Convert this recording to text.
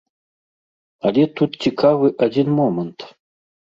Але тут цікавы адзін момант.